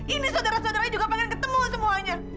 ini saudara saudaranya juga pengen ketemu semuanya